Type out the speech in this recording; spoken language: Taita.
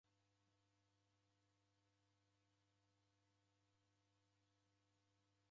Kesho nadima nipate kilambo chingi?